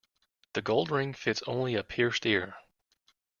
The gold ring fits only a pierced ear.